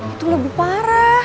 itu lebih parah